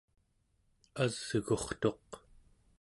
asgurtuq